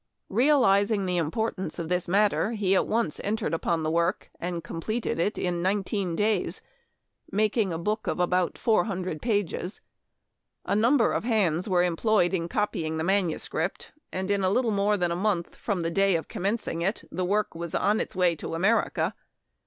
Realizing the importance of this matter, he at once entered upon the work, and completed it in nineteen days, making a book of about four hundred pages. A number of hands were employed in copying the manuscript, and in a little more than a month from the day of commencing it the work was on its way to America.